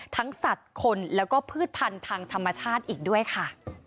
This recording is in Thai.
สัตว์คนแล้วก็พืชพันธุ์ทางธรรมชาติอีกด้วยค่ะ